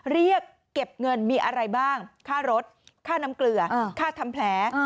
เรียกเก็บเงินมีอะไรบ้างค่ารถค่าน้ำเกลือค่าทำแผล